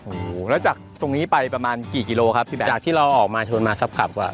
โอ้โหแล้วจากตรงนี้ไปประมาณกี่กิโลครับพี่แบ็คจากที่เราออกมาชวนมาครับขับอ่ะ